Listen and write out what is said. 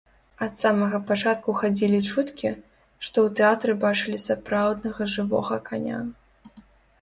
Ад самага пачатку хадзілі чуткі, што ў тэатры бачылі сапраўднага жывога каня.